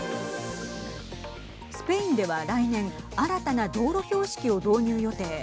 スペインでは来年新たな道路標識を導入予定。